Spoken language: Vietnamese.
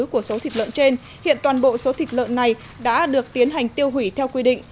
của số thịt lợn trên hiện toàn bộ số thịt lợn này đã được tiến hành tiêu hủy theo quy định